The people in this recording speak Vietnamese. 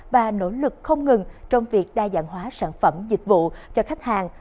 và nỗ lực không ngừng trong việc đa dạng hóa sản phẩm dịch vụ cho khách hàng